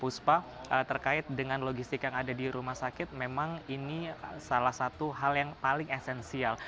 puspa terkait dengan logistik yang ada di rumah sakit memang ini salah satu hal yang paling esensial